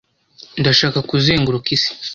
Ndashaka kuzenguruka isi.